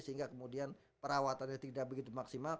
sehingga kemudian perawatannya tidak begitu maksimal